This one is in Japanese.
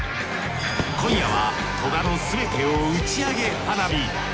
今夜は戸田のすべてを打ち上げ花火。